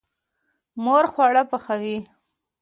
مور خواړه پخوي.